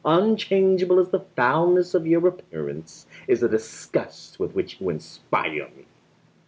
Unchangeable as the foulness of your appearance is the disgust with which you inspire me!"